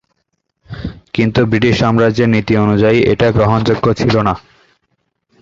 কিন্তু ব্রিটিশ সাম্রাজ্যের নীতি অনুযায়ী এটা গ্রহণযোগ্য ছিল না।